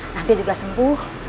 nanti juga sembuh